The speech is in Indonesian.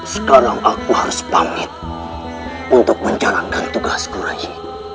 sekarang aku harus panggil untuk menjalankan tugasku rai